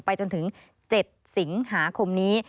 จนถึง๗สิงหาคมนี้